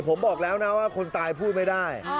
ผมบอกแล้วนะว่าคนตายพูดไม่ได้